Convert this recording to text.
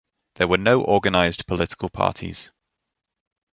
There were no organized political parties.